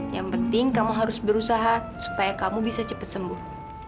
yang penting kamu harus berusaha supaya kamu bisa cepat sembuh